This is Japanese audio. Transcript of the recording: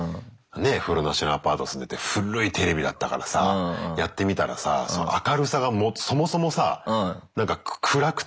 風呂なしのアパート住んでて古いテレビだったからさやってみたらさ明るさがそもそもさ暗くてさ。